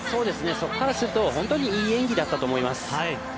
そこからすると本当にいい演技だったと思います。